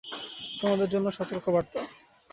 তোমাদের জন্য সতর্কবার্তা।